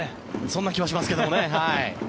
そんな気はしますけどね。